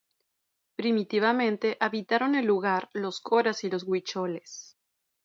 Primitivamente habitaron el lugar los coras y los huicholes.